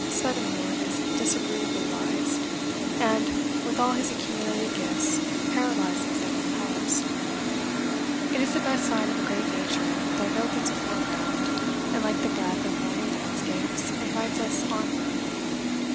Swedenborg is disagreeably wise, and, with all his accumulated gifts, paralyzes and repels. It is the best sign of a great nature, that it opens a foreground, and, like the breath of morning landscapes, invites us onward.